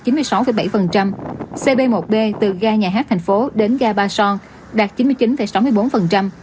cp một b từ ga nhà hát thành phố đến ga ba son đạt chín mươi chín sáu mươi bốn